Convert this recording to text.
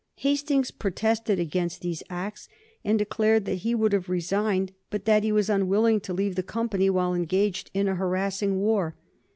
Hastings protested against these acts, and declared that he would have resigned but that he was unwilling to leave the Company while engaged in a harassing war.